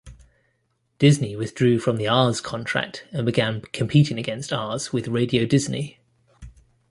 Disney withdrew from the Aahs contract and began competing against Aahs with Radio Disney.